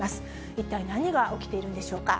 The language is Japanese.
一体何が起きているんでしょうか。